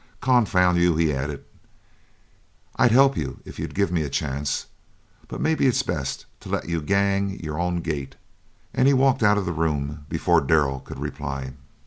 "Confound you!" he added; "I'd help you if you'd give me a chance, but maybe it's best to let you 'gang your ain gait.'" And he walked out of the room before Darrell could reply.